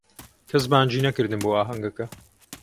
کەس بانگی نەکردم بۆ ئاهەنگەکە.